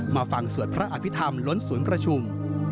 มาฟังสวดพระอภิษฐรรมล้นศูนย์ประชุม